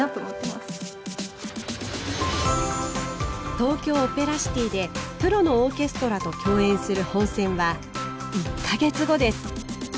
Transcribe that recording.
東京オペラシティでプロのオーケストラと共演する本選は１か月後です。